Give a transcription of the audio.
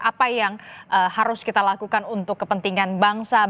apa yang harus kita lakukan untuk kepentingan bangsa